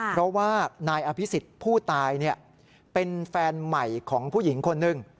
เพราะว่านายอภิษฎผู้ตายเป็นแฟนใหม่ของผู้หญิงคนหนึ่ง